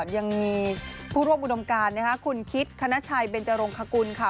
ยังมีผู้ร่วมอุดมการคุณคิดคณชัยเบนจรงคกุลค่ะ